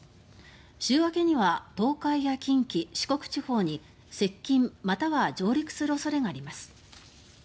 週明けには東海や近畿、四国地方に接近または上陸する恐れがあります。